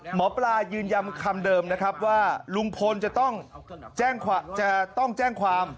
หมอปลายืนยันคำเดิมนะครับว่าลุงพลจะต้องแจ้งความ